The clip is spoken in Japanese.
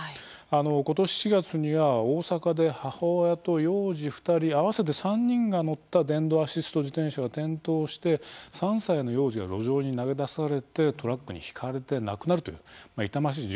あの今年４月には大阪で母親と幼児２人合わせて３人が乗った電動アシスト自転車が転倒して３歳の幼児が路上に投げ出されてトラックにひかれて亡くなるという痛ましい事故も起きてるんですね。